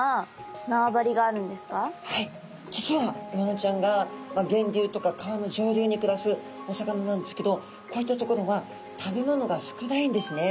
はい実はイワナちゃんが源流とか川の上流に暮らすお魚なんですけどこういった所は食べものが少ないんですね。